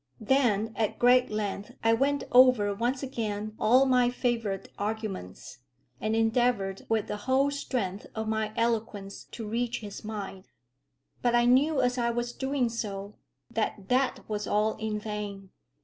Then, at great length, I went over once again all my favourite arguments, and endeavoured with the whole strength of my eloquence to reach his mind. But I knew, as I was doing so, that that was all in vain.